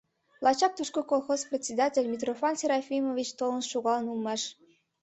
Лачак тушко колхоз председатель Митрофан Серафимович толын шогалын улмаш.